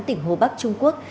tỉnh hồ bắc trung quốc